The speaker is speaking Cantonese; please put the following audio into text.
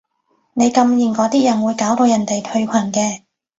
你禁言嗰啲人會搞到人哋退群嘅